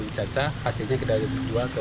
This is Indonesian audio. dan hasilnya juga bagi mereka